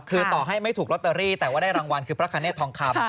คือต่อให้ไม่ถูกลอตเตอรี่แต่ว่าได้รางวัลคือพระคเนธทองคำ